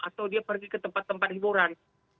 atau dia pergi ke tempat tempat hiburan